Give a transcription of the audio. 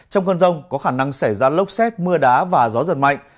trong cơn rông có khả năng xảy ra lốc xét mưa đá và gió giật mạnh